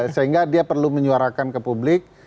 sehingga dia perlu menyuarakan ke publik